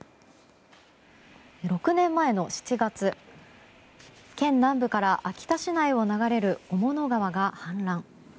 ６年前の７月県南部から秋田市内を流れる雄物川が氾濫。